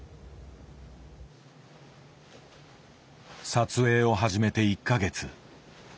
撮影を始めて１か月。